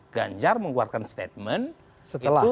ganjar mengeluarkan statement